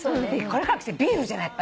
これからの季節ビールじゃない。